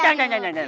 jangan jangan jangan